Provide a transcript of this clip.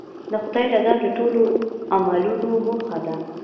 د خدای رضا د ټولو عملونو موخه ده.